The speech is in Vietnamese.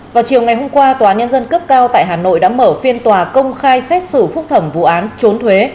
vào chiều ngày hôm qua tòa nhân dân cấp cao tại hà nội đã mở phiên tòa công khai xét xử phúc thẩm vụ án trốn thuế